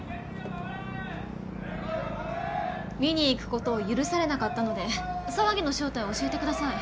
・見に行くことを許されなかったので騒ぎの正体を教えて下さい。